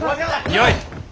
よい！